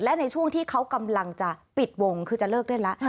และในช่วงที่เขากำลังจะปิดวงคือจะเลิกเล่นแล้ว